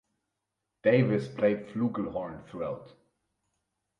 Davis played flugelhorn throughout.